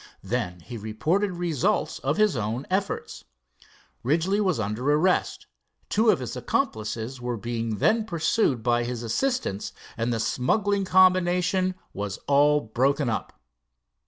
Then he reported results of his own efforts. Ridgely was under arrest, two of his accomplices were being then pursued by his assistants, and the smuggling combination was all broken up.